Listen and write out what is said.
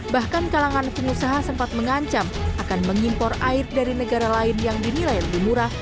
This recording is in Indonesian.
bahkan kalangan pengusaha sempat mengancam akan mengimpor air dari negara lain yang dinilai lebih murah